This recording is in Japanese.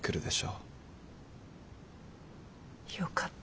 よかった。